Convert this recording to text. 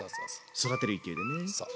育てる勢いでね。